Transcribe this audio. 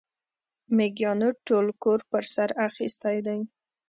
مېږيانو ټول کور پر سر اخيستی دی.